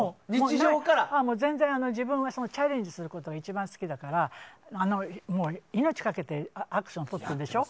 自分はチャレンジすることが一番好きだから命をかけてアクションを撮ってるでしょ。